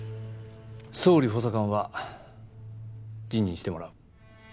総理補佐官は辞任してもらう。